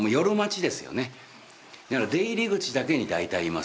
だから出入り口だけに大体います。